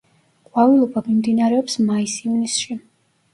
ყვავილობა მიმდინარეობს მაის-ივნისში.